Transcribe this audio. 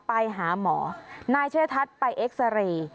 ไปหาหมอนายเชื่อทัศน์ไปเอ็กซาเรย์